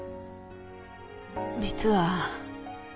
実は。